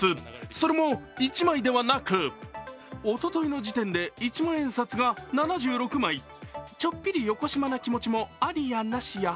それも１枚ではなくおとといの時点で、一万円札が７６枚ちょっぴりよこしまな気持ちもありや、なしや。